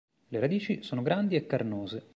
Le radici sono grandi e carnose.